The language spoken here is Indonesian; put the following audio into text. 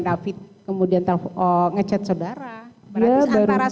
david kemudian telpon ngechat saudara saudara yang menangkapnya dan menangkapnya dan menangkapnya